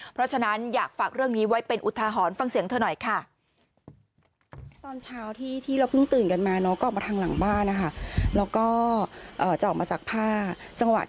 เพราะฉะนั้นอยากฝากเรื่องนี้ไว้เป็นอุทาหรณ์ฟังเสียงเธอหน่อยค่ะ